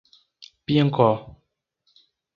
Piancó